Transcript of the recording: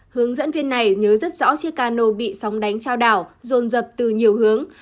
hướng dẫn viên này nhớ rất rõ chiếc cano bị sóng đánh trao đảo rồn rập từ nhiều hướng